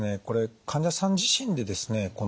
これ患者さん自身でですね